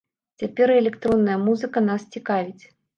Цяпер і электронная музыка нас цікавіць.